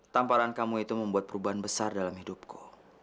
tamparan kamu itu membuat perubahan besar dalam hidupku